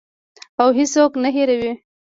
او هیڅوک نه هیروي.